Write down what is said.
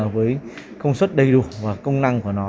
với công suất đầy đủ và công năng của nó